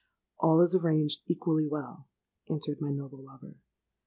'—'All is arranged equally well,' answered my noble lover.